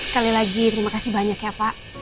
sekali lagi terima kasih banyak ya pak